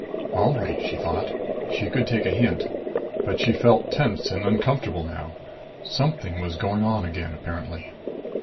All right, she thought she could take a hint. But she felt tense and uncomfortable now. Something was going on again, apparently.